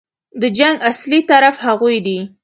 د جنګ اصلي طرف هغوی دي.